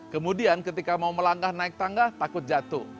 kemudian ketika mau melangkah naik tangga takut jatuh